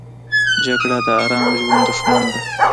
جګړه د آرام ژوند دښمنه ده